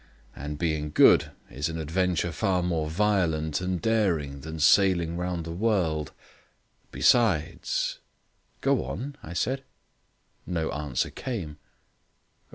And being good is an adventure far more violent and daring than sailing round the world. Besides " "Go on," I said. No answer came.